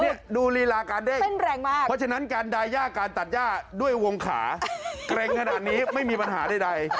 นี่ดูลีลาการเด้งเต้นแรงมากเพราะฉะนั้นการดายย่าการตัดย่าด้วยวงขาเกร็งขนาดนี้ไม่มีปัญหาใด